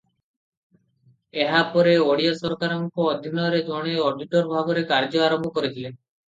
ଏହାପରେ ଓଡ଼ିଶା ସରକାରଙ୍କ ଅଧୀନରେ ଜଣେ ଅଡିଟର ଭାବରେ କାର୍ଯ୍ୟ ଆରମ୍ଭ କରିଥିଲେ ।